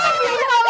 ya allah jun ya allah